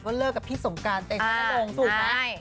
ว่าเลิกกับพี่สงการเต็มทั้งโรงสูตรไหม